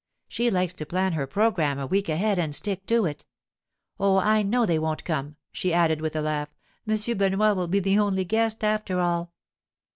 She likes to plan her programme a week ahead and stick to it. Oh, I know they won't come,' she added with a laugh. 'M. Benoit will be the only guest, after all.